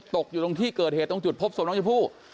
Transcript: ตกอยู่ตรงที่เกิดเหตุตรงจุดพบศพน้องชมพู่